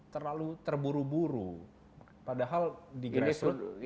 terlalu terburu buru padahal di grassroot